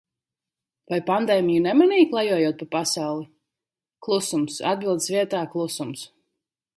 Vai pandēmiju nemanīji, klejojot pa pasauli? Klusums, atbildes vietā klusums.